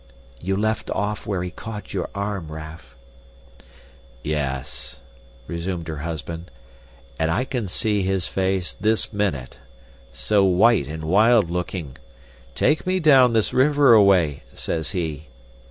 You left off where he caught your arm, Raff." "Yes," resumed her husband, "and I can see his face this minute so white and wild looking. 'Take me down this river a way,' says he.